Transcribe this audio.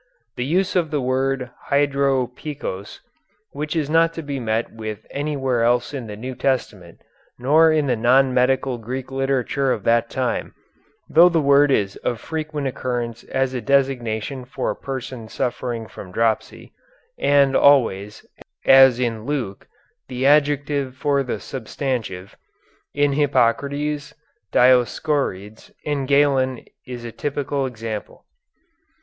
The use of the word hydropikos, which is not to be met with anywhere else in the New Testament, nor in the non medical Greek literature of that time, though the word is of frequent occurrence as a designation for a person suffering from dropsy (and always, as in Luke, the adjective for the substantive), in Hippocrates, Dioscorides, and Galen is a typical example.